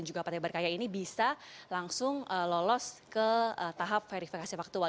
juga partai berkarya ini bisa langsung lolos ke tahap verifikasi faktual